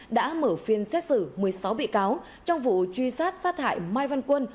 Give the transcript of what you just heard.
đã mở phiên xét xử một mươi sáu bị cáo trong vụ truy sát sát hại mai văn quân